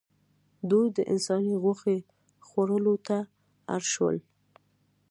دوی د انسان غوښې خوړلو ته اړ شول.